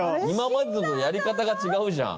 今までとやり方が違う。